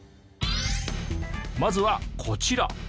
まずはこちら。